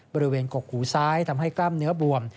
บริเวณกกหูซ้ายทำให้กล้ามเนื้อบวม